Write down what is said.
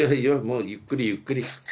もうゆっくりゆっくり。